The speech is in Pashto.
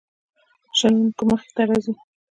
شنونکو مخې ته راځي.